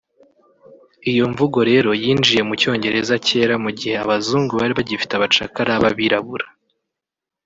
Iyo mvugo rero yinjiye mu cyongereza kera mu gihe abazungu bari bagifite abacakara b’abirabura